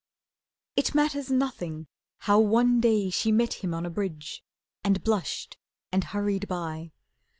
It matters nothing how one day she met Him on a bridge, and blushed, and hurried by.